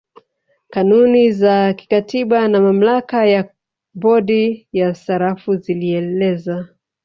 Kanuni za kikatiba na mamlaka ya bodi ya sarafu zilieleza